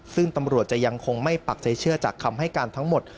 ซึ่งตำรวจจะยังคงไม่ปักใจเชื่อจากคำให้การทั้งหมด